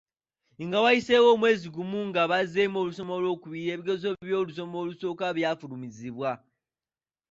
Nga wayise omwezi gumu nga bazzeemu olusoma olw’okubiri ebigezo by’olusoma olusooka byafulumizibwa.